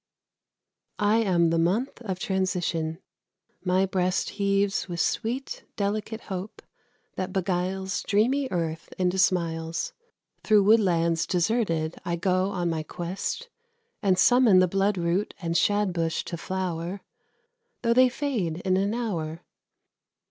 I am the month of transition. My breast Heaves with sweet, delicate hope, that beguiles Dreamy Earth into smiles. Through woodlands deserted I go on my quest, And summon the blood root and shad bush to flower Though they fade in an hour.